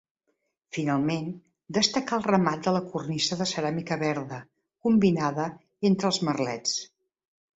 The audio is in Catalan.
Finalment, destacar el remat de la cornisa de ceràmica verda combinada entre els merlets.